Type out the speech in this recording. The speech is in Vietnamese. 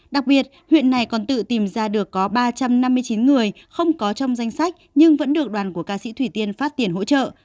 đặc biệt huyện này còn tự tìm ra được có ba trăm năm mươi chín người không có trong danh sách nhưng vẫn được đoàn của ca sĩ thủy tiên phát tiền hỗ trợ